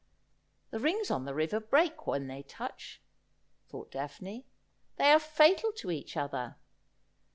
' The rings on the river break when they touch,' thought Daphne. ' They are fatal to each other.